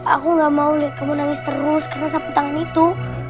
aku gak mau lihat kamu nangis terus karena sapu tangan itu